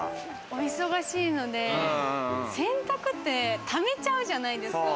お忙しいので、洗濯って溜めちゃうじゃないですか。